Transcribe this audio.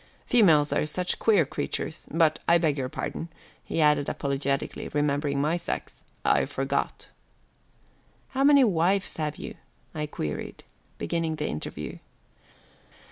Females are such queer creatures but I beg your pardon," he added apologetically, remembering my sex. "I forgot." "How many wives have you?" I queried, beginning the interview.